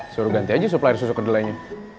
suruh ganti aja supplier susu kedelainya